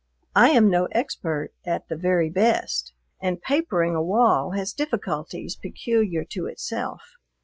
I am no expert at the very best, and papering a wall has difficulties peculiar to itself.